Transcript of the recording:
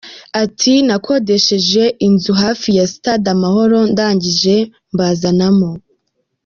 Ati “Nakodesheje inzu hafi ya Sitade Amahoro ndangije mbazanamo.